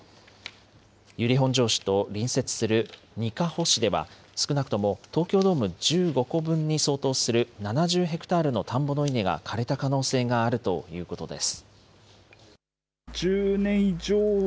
由利本荘市と隣接するにかほ市では、少なくとも東京ドーム１５個分に相当する７０ヘクタールの田んぼの稲が枯れた可能性があるということです。